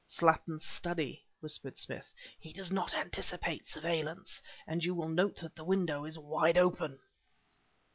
"Slattin's study!" whispered Smith. "He does not anticipate surveillance, and you will note that the window is wide open!"